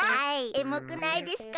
エモくないですか？